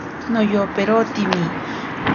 Noyoperotimi.